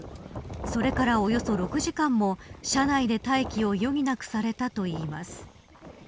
それから、およそ６時間も車内で待機を余儀なくされたといいます。